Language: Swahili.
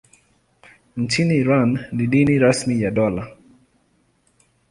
Nchini Iran ni dini rasmi ya dola.